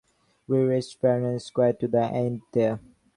We raced fair and square to the end there.